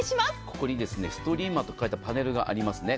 ここにストリーマと書いたパネルがありますね。